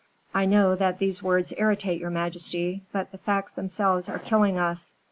I know that these words irritate your majesty, but the facts themselves are killing us.